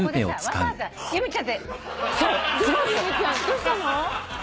どうしたの？